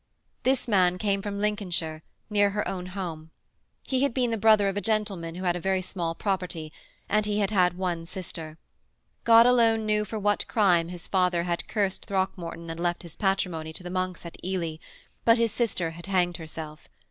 This man came from Lincolnshire, near her own home. He had been the brother of a gentleman who had a very small property, and he had had one sister. God alone knew for what crime his father had cursed Throckmorton and left his patrimony to the monks at Ely but his sister had hanged herself.